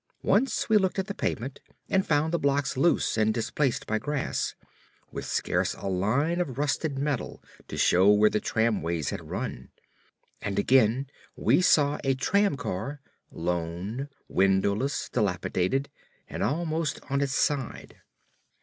Once we looked at the pavement and found the blocks loose and displaced by grass, with scarce a line of rusted metal to shew where the tramways had run. And again we saw a tram car, lone, windowless, dilapidated, and almost on its side.